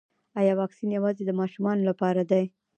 ایا واکسین یوازې د ماشومانو لپاره دی